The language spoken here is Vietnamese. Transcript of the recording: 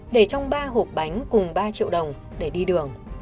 để trong ba hộp bánh cùng ba triệu đồng để đi đường